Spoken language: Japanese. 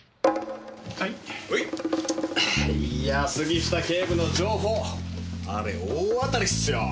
いや杉下警部の情報あれ大当たりっすよ！